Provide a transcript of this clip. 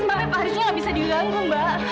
mbak pak harisnya nggak bisa dilanggung mbak